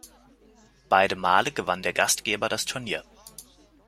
Beide Male gewann der Gastgeber das Turnier.